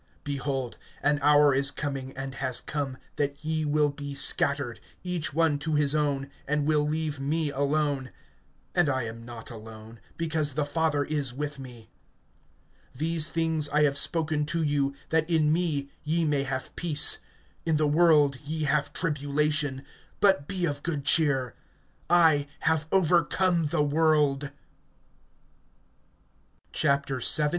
(32)Behold, an hour is coming, and has come, that ye will be scattered, each one to his own, and will leave me alone; and I am not alone, because the Father is with me. (33)These things I have spoken to you, that in me ye may have peace. In the world ye have tribulation; but be of good cheer, I have overcome the world. XVII.